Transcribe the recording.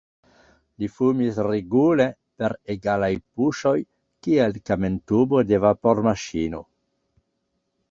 Li fumis regule, per egalaj puŝoj, kiel kamentubo de vapormaŝino.